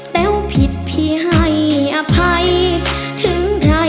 แต้วผิดพี่ให้อภัยถึงใคร